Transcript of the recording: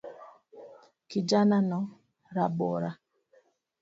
Kijanano rabora.